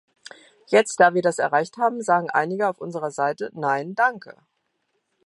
Jetzt, da wir das erreicht haben, sagen einige auf unserer Seite "nein, danke".